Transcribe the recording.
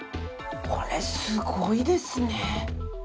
これすごいですね！